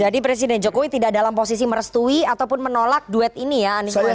jadi presiden jokowi tidak dalam posisi merestui ataupun menolak duet ini ya anis mohaimin